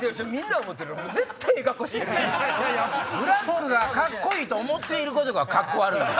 ブラックがカッコいいと思っていることがカッコ悪いねん。